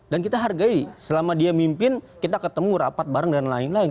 dan kita hargai selama dia mimpin kita ketemu rapat bareng dan lain lain